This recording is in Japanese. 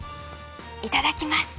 いただきます！